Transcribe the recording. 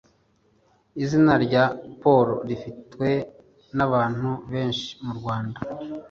Izina rya Paul rifitwe nabantu benshi mu Rwanda?